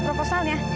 kenapa bu proposalnya